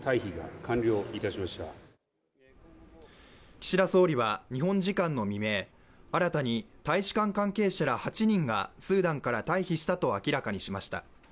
岸田総理は、日本時間の未明新たに大使館関係者ら８人がスーダンから退避したと明らかにしました。